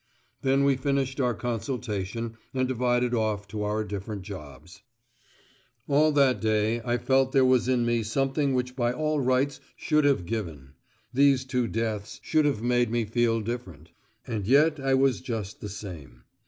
Then we finished our consultation and divided off to our different jobs. All that day I felt that there was in me something which by all rights should have "given": these two deaths should have made me feel different: and yet I was just the same.